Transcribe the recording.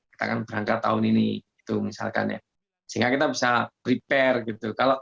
kita akan berangkat tahun ini sehingga kita bisa prepare